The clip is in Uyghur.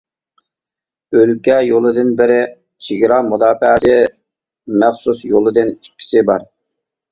ئۆلكە يولىدىن بىرى، چېگرا مۇداپىئەسى مەخسۇس يولىدىن ئىككىسى بار.